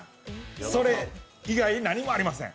それ以外、何もありません。